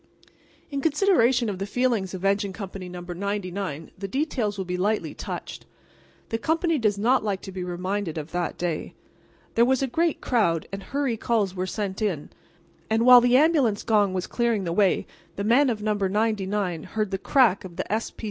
In consideration for the feelings of Engine Company No. 99 the details will be lightly touched. The company does not like to be reminded of that day. There was a great crowd, and hurry calls were sent in; and while the ambulance gong was clearing the way the men of No. 99 heard the crack of the S. P.